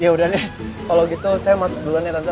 ya udah deh kalau gitu saya masuk dulu nih tentu